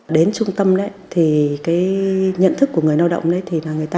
đến trung tâm nhận thức của người lao động